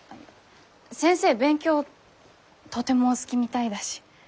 先生勉強とてもお好きみたいだし。